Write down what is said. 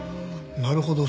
なるほど。